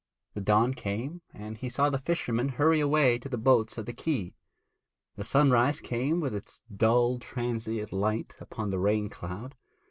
The dawn came and he saw the fishermen hurry away to the boats at the quay. The sunrise came with its dull transient light upon the rain cloud.